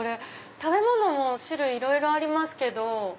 食べ物も種類いろいろありますけど。